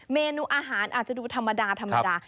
เมนูอาหารอาจจะดูธรรมดา